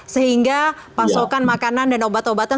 sehingga pasokan makanan dan obat obatan